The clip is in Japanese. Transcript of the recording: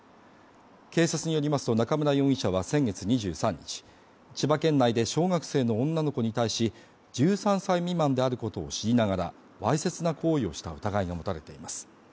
警察によりますと中村容疑者は先月２３日、千葉県内で小学生の女の子に対し１３歳未満であることを知りながら、わいせつな行為をした疑いが持たれています。